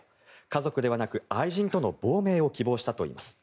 家族ではなく愛人との亡命を希望したといいます。